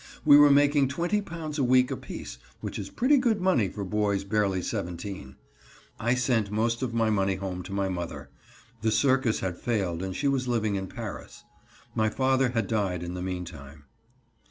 We were making twenty pounds a week apiece, which is pretty good money for boys barely seventeen. I sent most of my money home to my mother. The circus had failed and she was living in Paris. My father had died in the meantime.